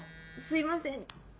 すいません。